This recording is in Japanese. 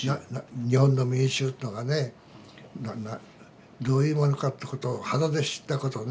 日本の民衆っていうのがねどういうものかってことを肌で知ったことね。